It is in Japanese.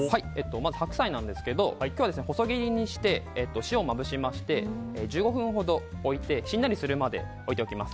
まず白菜なんですが今日は細切りにして塩をまぶしまして１５分ほど置いてしんなりするまで置いておきます。